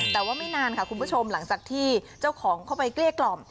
แต่ว่าไม่นานค่ะคุณผู้ชมหลังจากที่เจ้าของเข้าไปเกลี้ยกล่อม